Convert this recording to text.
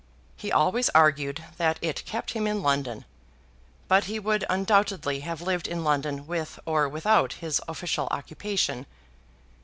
He always argued that it kept him in London; but he would undoubtedly have lived in London with or without his official occupation.